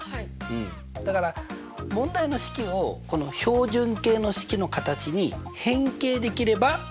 だから問題の式をこの標準形の式の形に変形できれば？